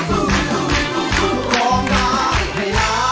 โปรดติดตามตอนต่อไป